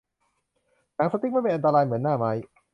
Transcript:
หนังสติ๊กไม่เป็นอันตรายเหมือนหน้าไม้